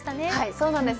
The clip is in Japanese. そうなんです。